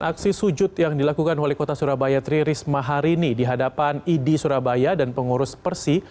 tanya itu dalam aksi sujud yang dilakukan wali kota surabaya tririsma hari ini di hadapan idi surabaya dan pengurus persi